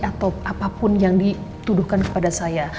atau apapun yang dituduhkan kepada saya